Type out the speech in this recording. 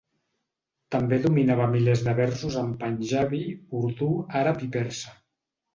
També dominava milers de versos en panjabi, urdú, àrab i persa.